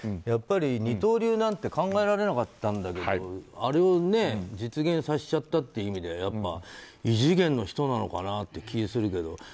やっぱり二刀流なんて考えられなかったんだけどあれを、実現させちゃったという意味では異次元の人なのかなって気がするけど。